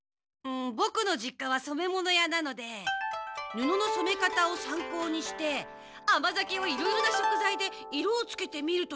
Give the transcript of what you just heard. ボクの実家は染め物屋なのでぬのの染め方を参考にして甘酒をいろいろな食材で色をつけてみるというのは。